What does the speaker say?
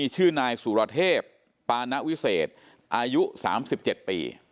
คือสิ่งที่เราติดตามคือสิ่งที่เราติดตาม